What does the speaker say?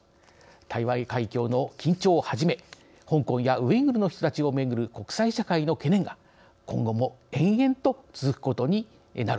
台湾海峡の緊張をはじめ香港やウイグルの人たちをめぐる国際社会の懸念が今後も延々と続くことになる。